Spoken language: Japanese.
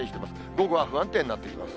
午後は不安定になってきます。